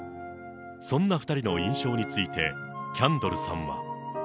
そんな２人の印象について、キャンドルさんは。